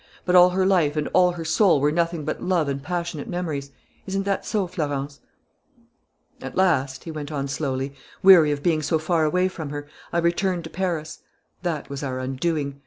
But all her life and all her soul were nothing but love and passionate memories. Isn't that so, Florence? "At last," he went on slowly, "weary of being so far away from her, I returned to Paris. That was our undoing....